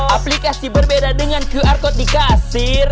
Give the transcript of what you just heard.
aplikasi berbeda dengan qr code dikasir